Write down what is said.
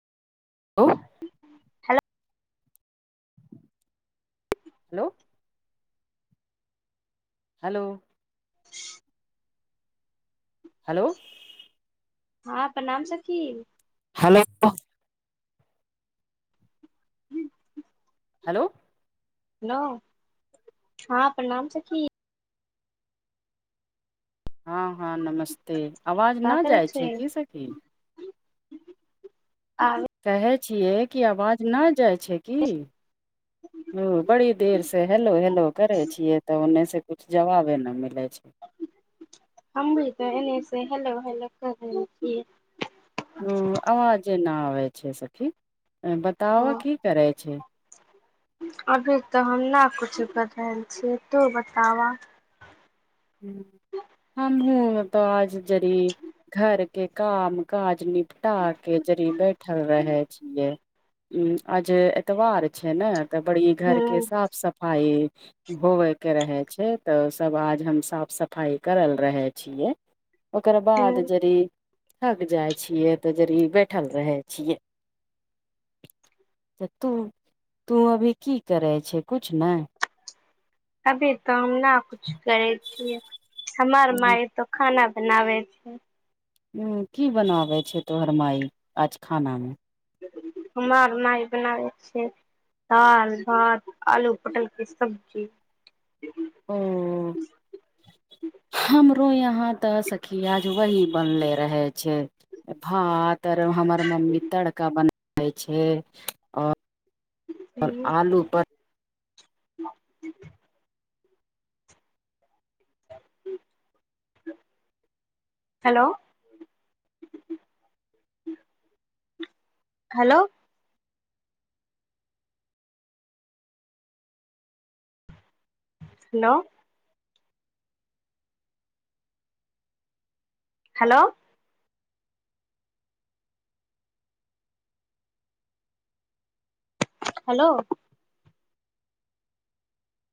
hello hello hello hello hello हँ प्रणाम सखी हेलो हूँ हेलो हेलो हँ प्रणाम सखी हँ हँ नमस्ते आवाज का न जाइ छै की सखी आओर कहै छियै कि आवाज न जाइ छै की ह बड़ी देर से हेलो हेलो करै छियै त ओने से किछु जवाबे ने मिलै छै हमी त एने से हेलो हेलो कर छियै ओ आवाज जेना आबै छै सखी बताओ ह की करै छीये अभी त हम ने कुछु क रहल छियै तू बताब हूँ हमहू त आज जरी घर के काम काज निप टा के जड़ी बैठल रहे छियै हूँ आज एतबार छै ने त बड़ी घर हूँ के साफ सफ- फाइ होबे के रहे छै त सब आज हम साफ सफाइ करल रहै छियै ओकर बाद हूँ जड़ी थक जाइ छियै त जड़ी बैठल रहै छियै त तू तू अभी की करै छै किछु नहि अभी तो हम ना कुछ करै छियै हमर माय त खाना बनावे छै हूँ की बनाबै छै तोहर माइ आज खाना मे हमर माई बनाबै छिय ह दाल भात आलू पटल के सब्जी ओ हमरो यहाँ त सखी आज वही बनले रहे छै भात आर हमर मम्मी तड़का बना छै आओर आओर हेलो आलू पर आ छै hello hello hello hello hello